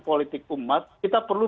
politik umat kita perlu